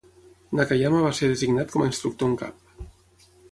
Nakayama va ser designat com a instructor en cap.